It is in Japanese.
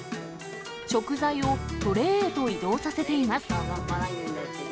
食材をトレーへと移動させています。